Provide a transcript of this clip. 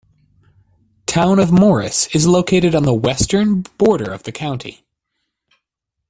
Town of Morris is located on the western border of the county.